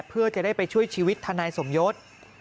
เพื่อจะได้ไปช่วยชีวิตทนายสมยศ